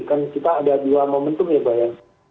kan kita ada dua momentum ya pak ya